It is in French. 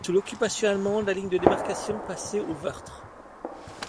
Sous l'occupation allemande, la ligne de démarcation passait au Veurdre.